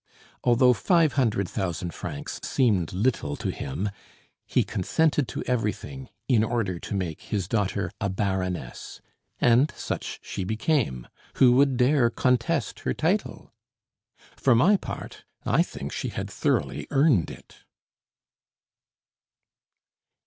Although five hundred thousand francs seemed little to him, he consented to everything, in order to make his daughter a baroness, and such she became; who would dare contest her title? For my part, I think she had thoroughly earned it.